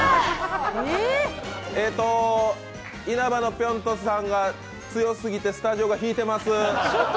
いなばのぴょん兎さんが強すぎてスタジオが引いてます。